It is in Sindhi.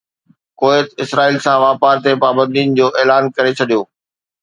ڪويت اسرائيل سان واپار تي پابندين جو اعلان ڪري ڇڏيو